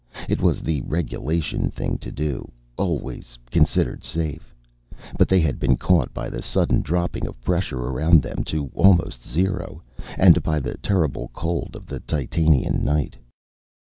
It was the regulation thing to do; always considered safe. But they had been caught by the sudden dropping of pressure around them to almost zero. And by the terrible cold of the Titanian night.